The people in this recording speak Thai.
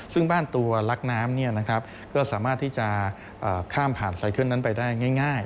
ซึ่งบ้านตัวลักน้ำก็สามารถที่จะข้ามผ่านไซเคิลนั้นไปได้ง่าย